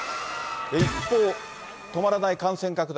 一方、止まらない感染拡大。